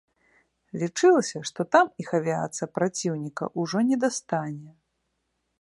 Лічылася, што там іх авіяцыя праціўніка ўжо не дастане.